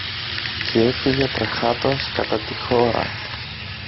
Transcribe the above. Κι έφυγε τρεχάτος κατά τη χώρα.